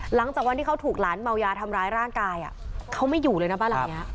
หลังจากวันที่เขาถูกหลานเมายาทำร้ายร่างกายเขาไม่อยู่เลยนะบ้านหลังนี้